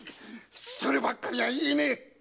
そればっかりは言えねえ！